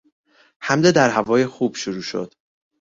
حمله در هوای خوب شروع شد.